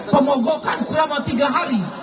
pemogokan selama tiga hari